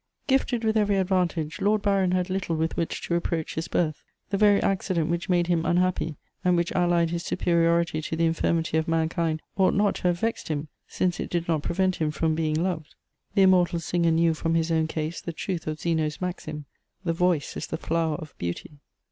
Gifted with every advantage, Lord Byron had little with which to reproach his birth; the very accident which made him unhappy and which allied his superiority to the infirmity of mankind ought not to have vexed him, since it did not prevent him from being loved. The immortal singer knew from his own case the truth of Zeno's maxim: "The voice is the flower of beauty."